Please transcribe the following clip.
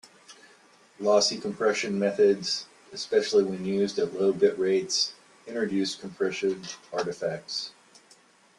Lossy compression methods, especially when used at low bit rates, introduce compression artifacts.